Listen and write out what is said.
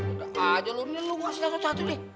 udah aja lu ini lu ngasih rasa cacu nih